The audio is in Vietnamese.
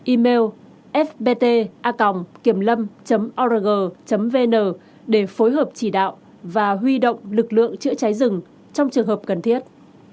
ba nghìn ba trăm ba mươi ba email fbtacom kiểmlâm org vn để phối hợp chỉ đạo và huy động lực lượng chữa cháy rừng trong trường hợp cần thiết